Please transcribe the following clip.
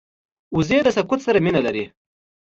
وزې د سکوت سره مینه لري